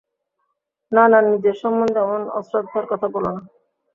না না, নিজের সম্বন্ধে অমন অশ্রদ্ধার কথা বোলো না।